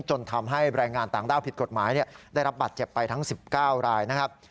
จนทำให้แรงงานต่างด้าวผิดกฎหมายได้รับบัตรเจ็บไปทั้ง๑๙รายนะครับ